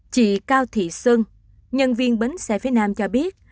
chị cao thị xuân nhân viên bến xe phía nam cho biết